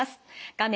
画面